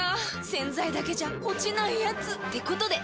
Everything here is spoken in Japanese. ⁉洗剤だけじゃ落ちないヤツってことで。